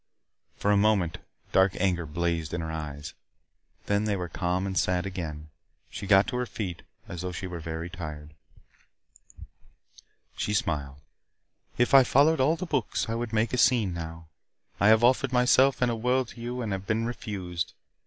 For a moment dark anger blazed in her eyes. Then they were calm and sad again. She got to her feet, as though she were very tired. She smiled. "If I followed all the books, I would make a scene now. I have offered myself and a world to you and have been refused.